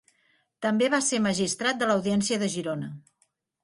També va ser magistrat de l'Audiència de Girona.